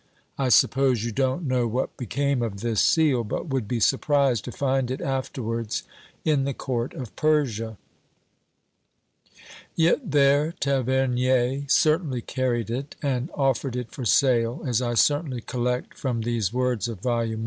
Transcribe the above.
I suppose you don't know what became of this seal, but would be surprised to find it afterwards in the Court of Persia. Yet there Tavernier certainly carried it, and offered it for sale, as I certainly collect from these words of vol. i.